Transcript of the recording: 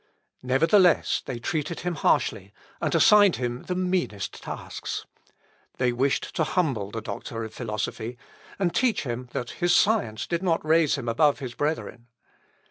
Nevertheless, they treated him harshly, and assigned him the meanest tasks. They wished to humble the doctor of philosophy, and teach him that his science did not raise him above his brethren.